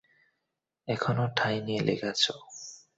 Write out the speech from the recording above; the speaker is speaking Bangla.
এখনো টাই নিয়ে লেগে আছো?